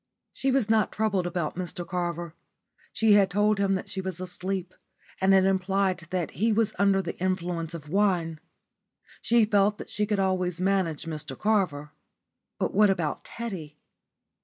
She was not troubled about Mr Carver. She had told him that she was asleep, and had implied that he was under the influence of wine. She felt that she could always manage Mr Carver. But what about Teddy?